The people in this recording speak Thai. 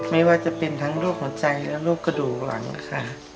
ไม่ว่าจะเป็นทั้งรูปของใจและรูปกระดูกหลังค่ะ